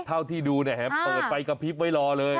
ท่าวที่ดูแน่เห้ยเปิดไปกระพริบไว้รอเลย